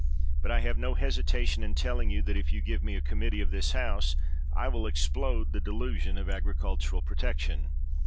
But I have no hesitation in telling you that, if you give me a committee of this House, I will explode the de lusion of agricultural protection!